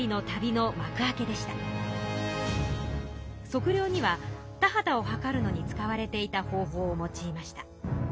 測量には田畑を測るのに使われていた方法を用いました。